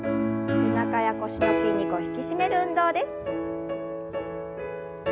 背中や腰の筋肉を引き締める運動です。